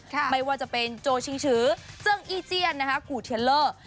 ไม่ว่าจะเป็นโจชิงถือเจิ้งอีเจียนนะคะกูเทลเลอร์